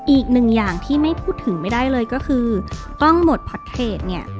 อีกหนึ่งอย่างที่ไม่พูดถึงไม่ได้เลยก็คือกล้องหมดแพ็คเทจเนี่ย